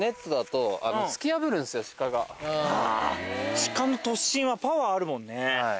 シカの突進はパワーあるもんね。